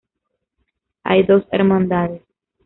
Hay dos hermandades.